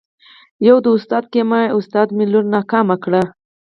يره دا ستا د کيميا استاد مې لور ناکامه کړې.